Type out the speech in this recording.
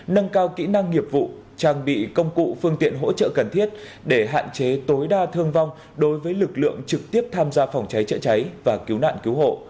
nâng cao kỹ năng nghiệp vụ trang bị công cụ phương tiện hỗ trợ cần thiết để hạn chế tối đa thương vong đối với lực lượng trực tiếp tham gia phòng cháy chữa cháy và cứu nạn cứu hộ